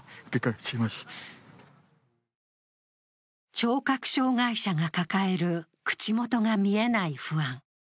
聴覚障害者が抱える口元が見えない不安。